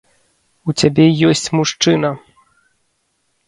У цябе ёсць мужчына!